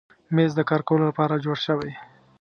مېز د کار کولو لپاره جوړ شوی.